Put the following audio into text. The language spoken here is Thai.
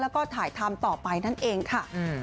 แล้วก็ถ่ายทำต่อไปนั่นเองค่ะ